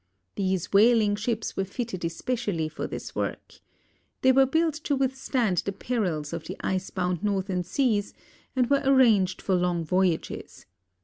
These whaling ships were fitted especially for this work. They were built to withstand the perils of the ice bound northern seas and were arranged for long voyages.